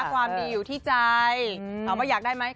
ความดีอยู่ที่ใจถามว่าอยากได้ไหม